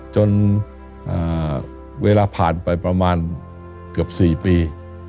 จนเวลาผ่านไปประมาณเกือบ๔ปี